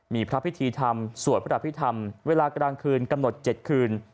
มีพระพิธีธรรมสวดพระอภิษฐรรมเวลากลางคืนกำหนด๗คืน